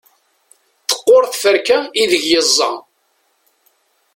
teqqur tferka ideg yeẓẓa